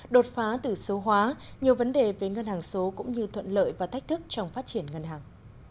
đột phá từ số hóa nhiều vấn đề về ngân hàng số cũng như thuận lợi và thách thức trong phát triển ngân hàng